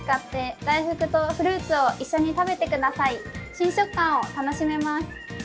新食感を楽しめます。